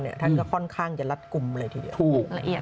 และท่านค่อนข้างจะลัดกลุ่มเลยทีเดียว